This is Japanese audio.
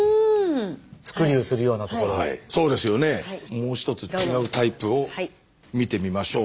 もう一つ違うタイプを見てみましょう。